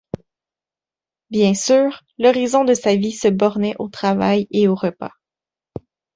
Bien sûr, l’horizon de sa vie se bornait au travail et aux repas.